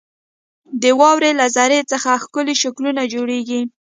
• د واورې له ذرې څخه ښکلي شکلونه جوړېږي.